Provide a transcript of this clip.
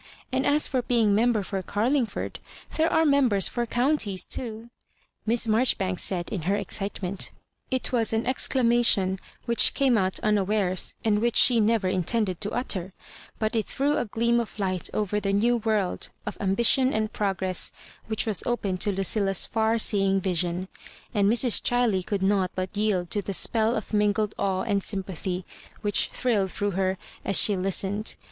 And as for being Member for Garlingford, there are Mem bers for counties too," Miss Marjoribanks said in her excitement. It was an exclamation which came out unawares, and which she never in tended to utter ; but it threw a g^eam of light over the new world of ambition and progress which was open to Lucilla's £eu* seeing vision ; and Mrs. Ghiley could not but yield to the spell of mingled awe and sympathy which thrilled through her as she listened.